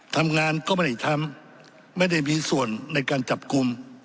ทำงานก็ไม่ได้ทำไม่ได้มีส่วนในการจับกลุ่ม